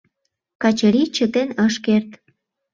Качырий чытен ыш керт.